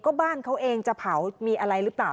ก็บ้านเขาเองจะเผามีอะไรหรือเปล่า